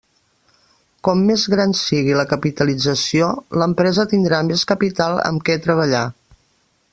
Com més gran sigui la capitalització, l'empresa tindrà més capital amb què treballar.